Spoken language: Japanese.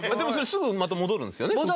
それすぐまた戻るんですよね。